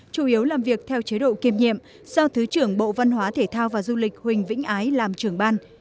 chủ yếu làm việc theo chế độ kiêm nhiệm do thứ trưởng bộ văn hóa thể thao và du lịch huỳnh vĩnh ái làm trưởng ban